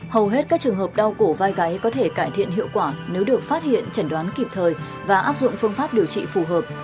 hầu hết các trường hợp đau cổ vai gáy có thể cải thiện hiệu quả nếu được phát hiện chẩn đoán kịp thời và áp dụng phương pháp điều trị phù hợp